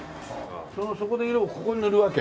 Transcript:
そこで色をここに塗るわけ？